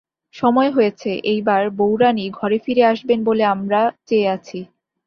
সময় হয়েছে, এইবার বউরানী ঘরে ফিরে আসবেন বলে আমরা চেয়ে আছি।